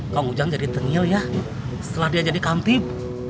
kak ujang jadi tengil ya setelah dia jadi kantip